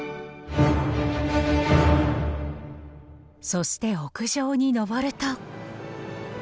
そして屋上に上ると。